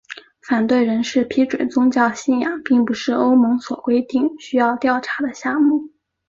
反对人士批评宗教信仰并不是欧盟所规定需要调查的项目。